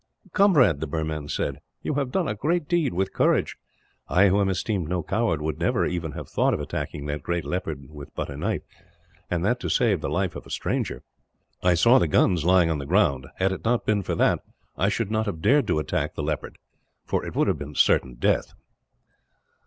"Comrade," the Burman said, "you have done a great deed, with courage. I, who am esteemed no coward, would never even have thought of attacking that great leopard with but a knife, and that to save the life of a stranger." "I saw the guns lying on the ground. Had it not been for that, I should not have dared to attack the leopard, for it would have been certain death."